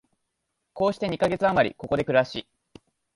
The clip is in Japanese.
こうして二カ月あまり、ここで暮らし、